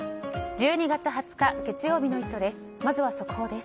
１２月２０日月曜日の「イット！」です。